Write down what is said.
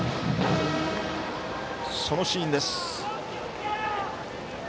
そのシーンです。